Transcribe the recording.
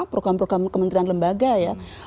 program program kementerian lembaga ya